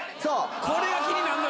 これが気になんのよ！